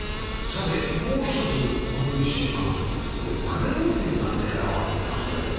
もう１つこの１週間、クレムリンが狙われたんだよね。